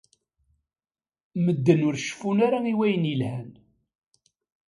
Medden ur ceffun ara i wayen yelhan.